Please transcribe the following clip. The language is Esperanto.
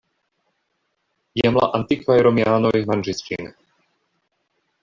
Jam la antikvaj romianoj manĝis ĝin.